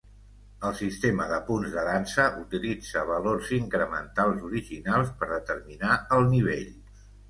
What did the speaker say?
El sistema de punts de dansa utilitza valors incrementals originals per determinar el nivell.